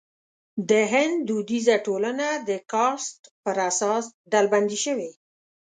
د هند دودیزه ټولنه د کاسټ پر اساس ډلبندي شوې.